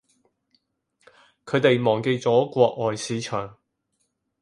佢哋忘記咗國外市場